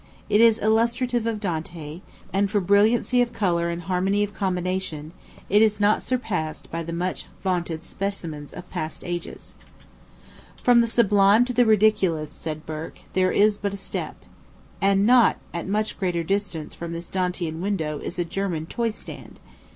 It is illustrative of Dante, and, for brilliancy of color and harmony of combination, it is not surpassed by the much vaunted specimens of past ages. "From the sublime to the ridiculous," said Burke, "there is but a step;" and at not much greater distance from this Dantean window is a German toy stand.